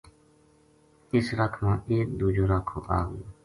اس رکھ ما ایک دُوجو راکھو آ گیو